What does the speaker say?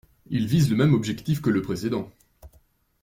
Il vise le même objectif que le précédent.